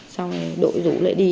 xong rồi đội rủ lại đi